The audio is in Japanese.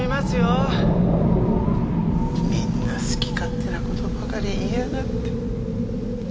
みんな好き勝手な事ばかり言いやがって。